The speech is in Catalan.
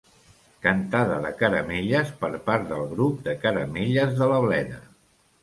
Cantada de caramelles per part del Grup de caramelles de la Bleda.